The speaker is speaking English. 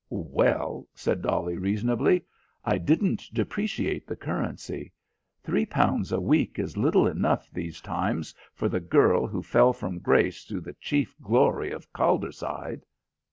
"Well," said Dolly reasonably, "I didn't depreciate the currency. Three pounds a week is little enough these times for the girl who fell from grace through the chief glory of Calderside."